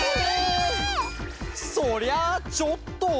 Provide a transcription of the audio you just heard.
そりゃあちょっと。